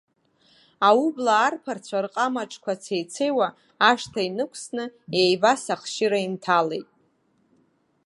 Аублаа арԥарцәа рҟама аҿқәа цеицеиуа ашҭа инықәсны, еивас ахшьыра инҭалеит.